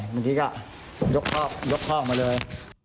ไม่ชีวิตค่ะยกข้องมาเลย